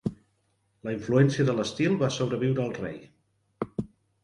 La influència de l'estil va sobreviure el rei.